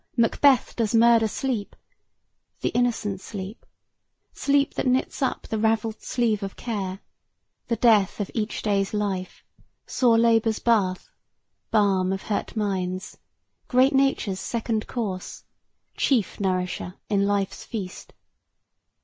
Macbeth does murder sleep,' the innocent sleep; Sleep that knits up the ravelled sleave of care, The death of each day's life, sore labor's bath, Balm of hurt minds, great Nature's second course, Chief nourisher in life's feast."